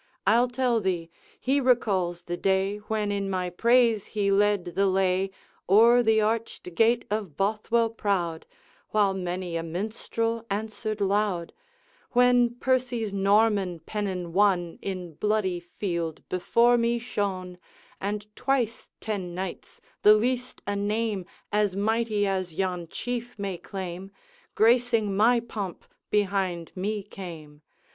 I 'll tell thee: he recalls the day When in my praise he led the lay O'er the arched gate of Bothwell proud, While many a minstrel answered loud, When Percy's Norman pennon, won In bloody field, before me shone, And twice ten knights, the least a name As mighty as yon Chief may claim, Gracing my pomp, behind me came.